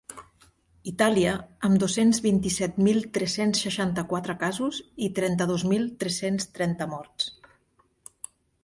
Itàlia, amb dos-cents vint-i-set mil tres-cents seixanta-quatre casos i trenta-dos mil tres-cents trenta morts.